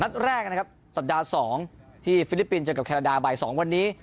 แรกนะครับสัปดาห์๒ที่ฟิลิปปินส์เจอกับแคนาดาบ่าย๒วันนี้